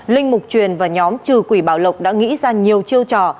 linh mục truyền và nhóm trừ quỷ bảo lộc đã nghĩ ra nhiều chiêu trò